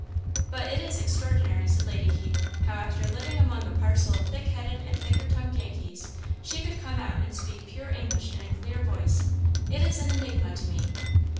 "But it is extraordinary," said Lady Keith, "how after living among a parcel of thick headed, and thicker tongued Yankees, she could come out and speak pure English in a clear voice; it is an enigma to me."